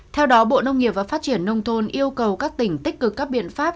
theo đó bộ nông nghiệp và phát triển nông thôn yêu cầu các tỉnh tích cực các biện pháp